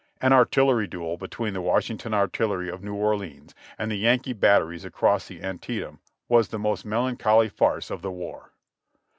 An artillery duel between the Washington Artillery of New Orleans and the Yankee batteries across the Antietam was the most melancholy farce of the war.